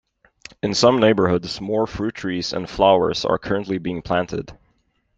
In some neighbourhoods more fruit trees and flowers are currently being planted.